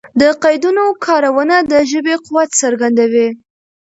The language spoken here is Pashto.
د قیدونو کارونه د ژبي قوت څرګندوي.